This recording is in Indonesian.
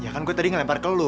ya kan gue tadi ngelempar ke lu